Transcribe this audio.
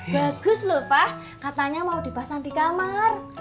bagus lho pak katanya mau dipasang di kamar